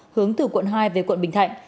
hướng từ quận hai về quận bình thạnh